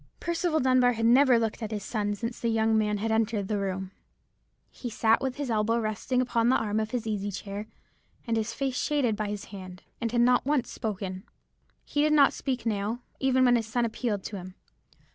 "Percival Dunbar had never looked at his son since the young man had entered the room. He sat with his elbow resting upon the arm of his easy chair, and his face shaded by his hand, and had not once spoken. "He did not speak now, even when his son appealed to him.